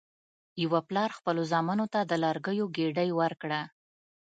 یو پلار خپلو زامنو ته د لرګیو ګېډۍ ورکړه.